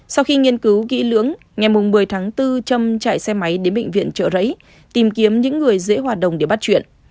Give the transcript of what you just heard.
sau khi nghiên cứu kỹ lưỡng ngày một mươi tháng bốn trâm chạy xe máy đến bệnh viện trợ rẫy tìm kiếm những người dễ hoạt động để bắt chuyện